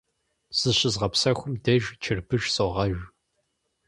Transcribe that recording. Зыщызгъэпсэхум деж чырбыш согъэж.